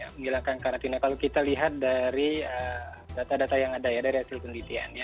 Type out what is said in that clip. menghilangkan karantina kalau kita lihat dari data data yang ada ya dari hasil penelitian ya